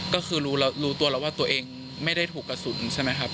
ก็คือรู้ตัวแล้วว่าตัวเองไม่ได้ถูกกระสุนใช่ไหมครับ